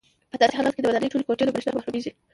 په داسې حالاتو کې د ودانۍ ټولې کوټې له برېښنا محرومېږي.